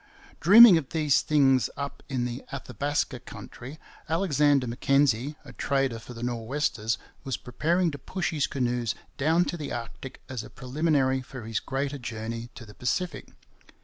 Dreaming of these things up in the Athabaska country, Alexander Mackenzie, a trader for the Nor'westers, was preparing to push his canoes down to the Arctic as a preliminary to his greater journey to the Pacific.